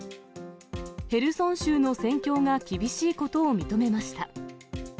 ヘルソン州の戦況が厳しいことを認めました。